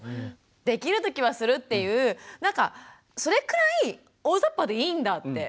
できる時はするっていうなんかそれくらい大ざっぱでいいんだって思いました。